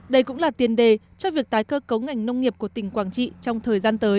đây cũng là tiền đề cho việc tái cơ cấu ngành nông nghiệp của tỉnh quảng trị trong thời gian tới